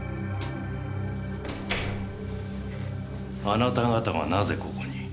あなた方がなぜここに？